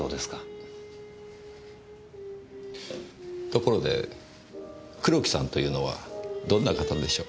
ところで黒木さんというのはどんな方でしょう？